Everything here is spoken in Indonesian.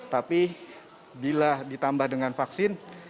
tapi bila ditambah dengan vaksin